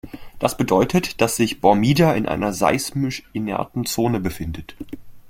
Das bedeutet, dass sich Bormida in einer seismisch inerten Zone befindet.